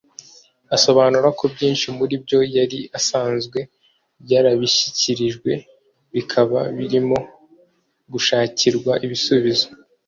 asobanura ko byinshi muri byo yari asanzwe yarabishyikirijwe bikaba birimo gushakirwa ibisubizo